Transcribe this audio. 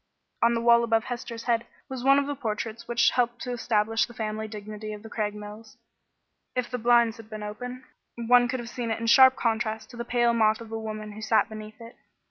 On the wall above Hester's head was one of the portraits which helped to establish the family dignity of the Craigmiles. If the blinds had been open, one could have seen it in sharp contrast to the pale moth of a woman who sat beneath it.